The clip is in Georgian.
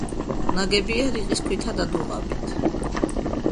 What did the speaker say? ნაგებია რიყის ქვითა და დუღაბით.